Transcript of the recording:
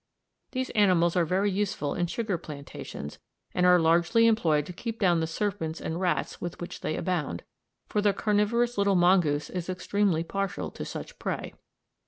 These animals are very useful in sugar plantations, and are largely employed to keep down the serpents and rats with which they abound, for the carnivorous little mongoose is extremely partial to such prey.